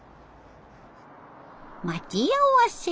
待ち合わせ。